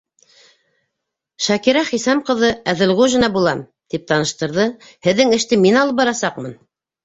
Шакира Хисам ҡыҙы Әҙелғужина булам, - тип таныштырҙы. - һеҙҙен эште мин алып барасаҡмын.